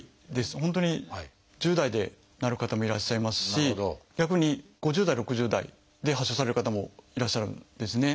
本当に１０代でなる方もいらっしゃいますし逆に５０代６０代で発症される方もいらっしゃるんですね。